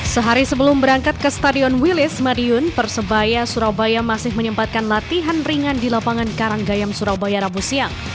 sehari sebelum berangkat ke stadion wilis madiun persebaya surabaya masih menyempatkan latihan ringan di lapangan karanggayam surabaya rabu siang